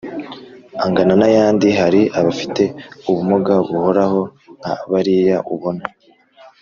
angana n ay abandi Hari abafite ubumuga buhoraho nka bariya ubona